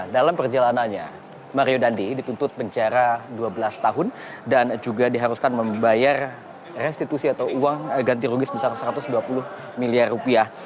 dalam perjalanannya mario dandi dituntut penjara dua belas tahun dan juga diharuskan membayar restitusi atau uang ganti rugi sebesar satu ratus dua puluh miliar rupiah